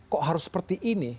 kok harus seperti ini